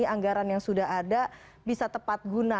anggaran yang sudah ada bisa tepat guna